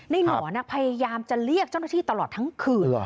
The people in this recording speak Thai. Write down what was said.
หนอนพยายามจะเรียกเจ้าหน้าที่ตลอดทั้งคืน